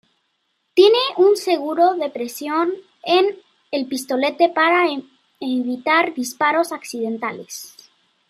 Tiene un seguro de presión en el pistolete para evitar disparos accidentales.